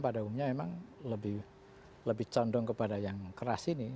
pada umumnya memang lebih condong kepada yang keras ini